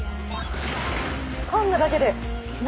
かんだだけで何？